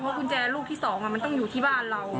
กุญแจลูกที่๒มันต้องอยู่ที่บ้านเรา